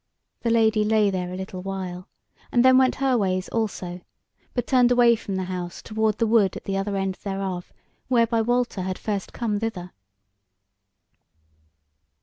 The Lady lay there a little while, and then went her ways also; but turned away from the house toward the wood at the other end thereof, whereby Walter had first come thither.